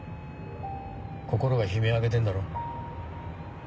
心が悲鳴上げてんだろ。